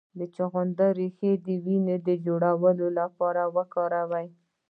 د چغندر ریښه د وینې د جوړولو لپاره وکاروئ